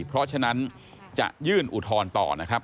เพราะฉะนั้นจะยื่นอุทธรณ์ต่อ